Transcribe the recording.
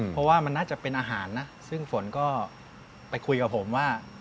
เพราะว่ามันน่าจะเป็นอาหารนะซึ่งฝนก็ไปคุยกับผมว่า